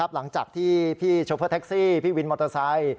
หลังจากที่พี่โชเฟอร์แท็กซี่พี่วินมอเตอร์ไซค์